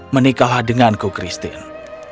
menikahlah denganku christine